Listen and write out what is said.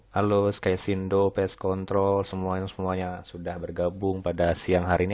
halo sky sindo peskontrol semuanya semuanya sudah bergabung pada siang hari ini